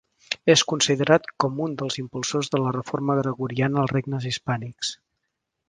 És considerat com un dels impulsors de la reforma gregoriana als regnes hispànics.